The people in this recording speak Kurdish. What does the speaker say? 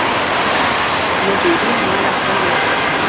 Me bêriya mala xwe nekir.